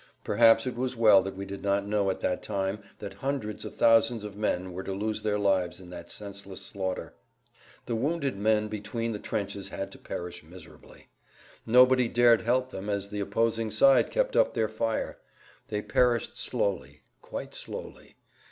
Perhaps it was well that we did not know at that time that hundreds of thousands of men were to lose their lives in that senseless slaughter. The wounded men between the trenches had to perish miserably. Nobody dared help them as the opposing side kept up their fire. They perished slowly, quite slowly.